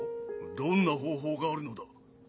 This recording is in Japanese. どんな方法があるのだ？